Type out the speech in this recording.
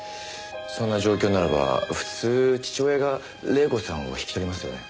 そんな状況ならば普通父親が黎子さんを引き取りますよね？